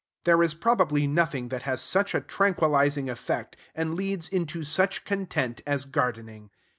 There is probably nothing that has such a tranquilizing effect, and leads into such content as gardening.